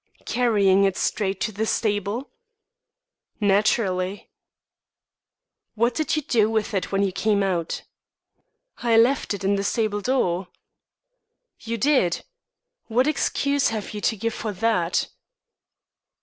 "Carrying it straight to the stable?" "Naturally." "What did you do with it when you came out?" "I left it in the stable door." "You did? What excuse have you to give for that?"